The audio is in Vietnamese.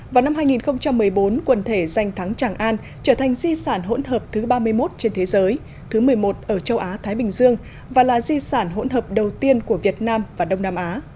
vào năm hai nghìn một mươi bốn quần thể danh thắng tràng an trở thành di sản hỗn hợp thứ ba mươi một trên thế giới thứ một mươi một ở châu á thái bình dương và là di sản hỗn hợp đầu tiên của việt nam và đông nam á